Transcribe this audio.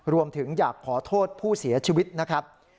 รวมถึงอยากขอโทษผู้เสียชีวิตนะครับ